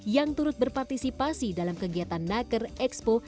yang turut berpartisipasi dalam kegiatan naker expo